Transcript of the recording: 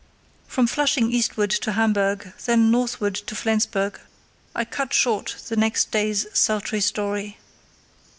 From Flushing eastward to Hamburg, then northward to Flensburg, I cut short the next day's sultry story.